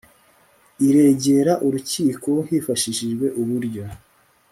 iregera urukiko hifashishijwe uburyo